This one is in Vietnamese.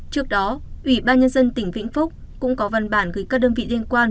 trước đó ủy ban nhân dân tỉnh vĩnh phúc cũng có văn bản gửi các đơn vị liên quan